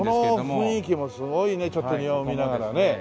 この雰囲気もすごいねちょっと庭を見ながらね。